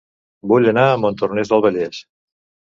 Vull anar a Montornès del Vallès